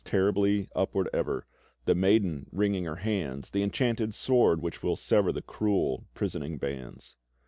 Terribly upward ever; The Maiden, wringing her hands; The Enchanted Sword which will sever The cruel, prisoning bands.